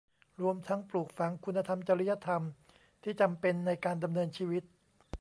รวมทั้งปลูกฝังคุณธรรมจริยธรรมที่จำเป็นในการดำเนินชีวิต